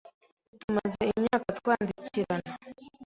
Tumaze imyaka twandikirana.